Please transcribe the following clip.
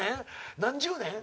何十年？